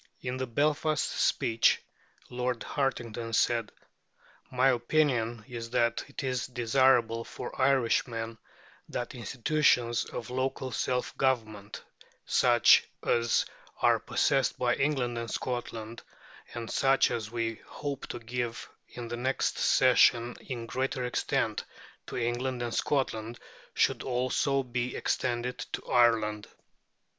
In the Belfast speech Lord Hartington said: "My opinion is that it is desirable for Irishmen that institutions of local self government such as are possessed by England and Scotland, and such as we hope to give in the next session in greater extent to England and Scotland, should also be extended to Ireland."